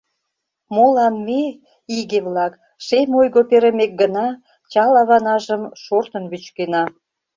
Молан ме, иге-влак, Шем ойго перымек гына Чал аванажым шортын Вӱчкена?